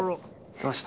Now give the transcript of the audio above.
どうしたの？